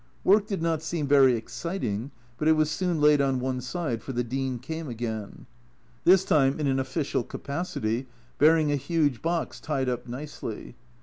Work did not seem very exciting, but it was soon laid on one side, for the Dean came again. This time in an official capacity, bearing a huge box tied up A Journal from Japan 253 nicely.